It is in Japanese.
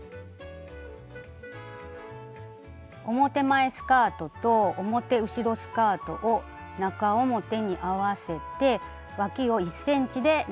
表前スカートと表後ろスカートを中表に合わせてわきを１ｃｍで縫います。